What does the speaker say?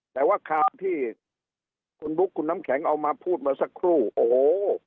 แต่ว่าข่าวที่คุณบุ๊คคุณน้ำแข็งเอามาพูดเมื่อสักครู่โอ้โห